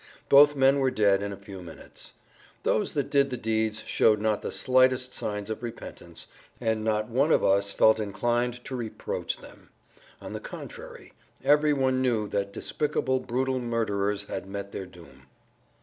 Both men were dead in a few minutes. Those that did the deeds showed not the slightest signs of repentance, and not one of us felt inclined to reproach them; on the contrary, every one knew that despicable, brutal murderers had met their doom.